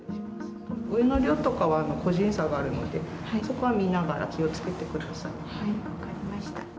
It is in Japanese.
個人差があるので、そこは見ながら気をつけてください。